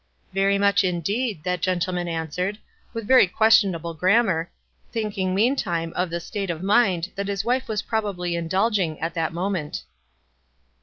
"Very much, indeed," that gentleman an swered, with very questionable grammar, think ing meantime of the state of mind that his wife was probably indulging at that moment.